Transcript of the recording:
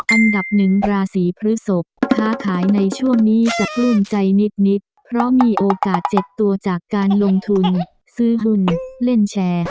อันดับหนึ่งราศีพฤศพค้าขายในช่วงนี้จะปลื้มใจนิดเพราะมีโอกาส๗ตัวจากการลงทุนซื้อหุ้นเล่นแชร์